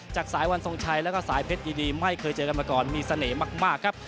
จากสายวันทรงชัยแล้วก็สายเพชรดีไม่เคยเจอกันมาก่อนมีเสน่ห์มากครับ